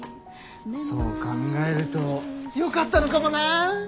そう考えるとよかったのかもな。